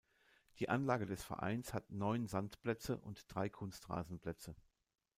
Die Anlage des Vereins hat neun Sandplätze und drei Kunstrasenplätze.